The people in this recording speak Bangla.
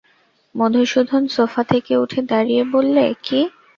মধুসূদন সোফা থেকে উঠে দাঁড়িয়ে বললে, কী!